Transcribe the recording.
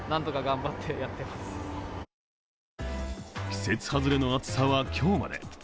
季節外れの暑さは今日まで。